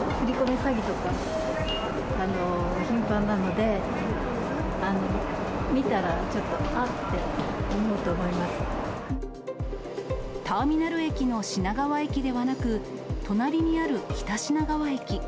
詐欺とか、頻繁なので、見たらちょっと、ターミナル駅の品川駅ではなく、隣にある北品川駅。